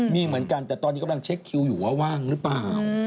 มีเหมือนกันแต่ตอนนี้กำลังเช็คคิวอยู่ว่าว่างหรือเปล่า